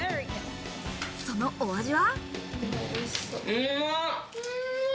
その味は？